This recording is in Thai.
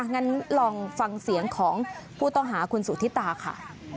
งั้นลองฟังเสียงของผู้ต้องหาคุณสุธิตาค่ะ